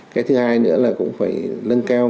cái thứ hai nữa là cũng phải nâng cao